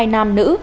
hai mươi hai nam nữ